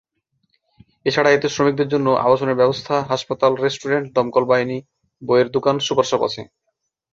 এছাড়া এতে শ্রমিকদের জন্য আবাসনের ব্যবস্থা, হাসপাতাল, রেস্টুরেন্ট, দমকল বাহিনী, বইয়ের দোকান, সুপার শপ আছে।